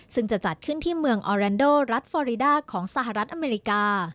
ซึ่งจะจัดขึ้นที่เมืองออแรนโดรัฐฟอริดาของสหรัฐอเมริกา